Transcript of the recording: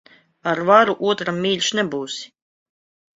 Ar varu otram mīļš nebūsi.